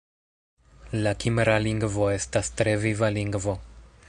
La kimra lingvo estas tre viva lingvo.